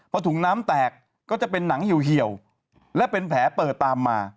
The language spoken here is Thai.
พอถุงน้ำแตกก็จะเป็นหนังเหี่ยวและเป็นแผลเปิดตามมา